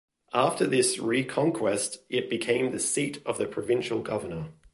After this reconquest it became the seat of the provincial governor.